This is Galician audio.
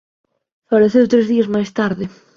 Faleceu tres días máis tarde.